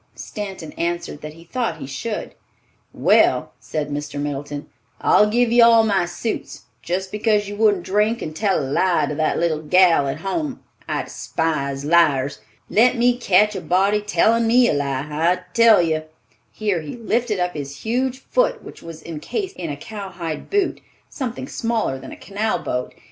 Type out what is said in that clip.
Stanton answered that he thought he should. "Well," said Mr. Middleton, "I'll give you all my suits, just because you wouldn't drink and tell a lie to that little gal at home. I despise liars. Let me catch a body telling me a lie, I tell you—" Here he lifted up his huge foot which was encased in a cowhide boot, something smaller than a canal boat.